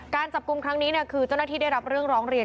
การจับกลุ่มครั้งนี้คือเจ้าหน้าที่ได้รับเรื่องร้องเรียน